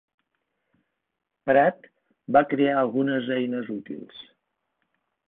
Pratt va crear algunes eines útils.